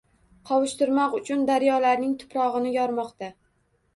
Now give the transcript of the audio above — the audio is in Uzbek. Qovushtirmoq uchun daryolarning tuprogʻini yormoqda